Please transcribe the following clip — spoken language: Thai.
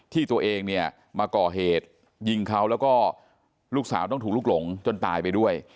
ที่ตัวเองเนี่ยมาก่อเหตุยิงเขาแล้วก็ลูกสาวต้องถูกลุกหลงจนตายไปด้วย